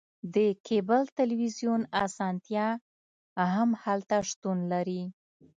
د کیبل تلویزیون اسانتیا هم هلته شتون لري